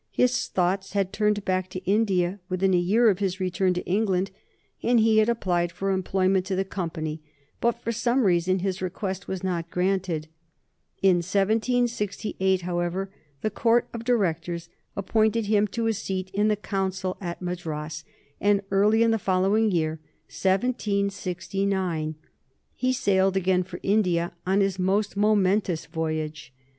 His thoughts had turned back to India within a year of his return to England, and he had applied for employment to the Company, but for some reason his request was not granted. In 1768, however, the Court of Directors appointed him to a seat in Council at Madras, and early in the following year, 1769, he sailed again for India on his most momentous voyage.